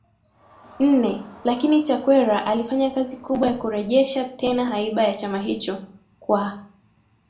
nne lakini Chakwera alifanya kazi kubwa ya kurejesha tena haiba ya chama hicho kwa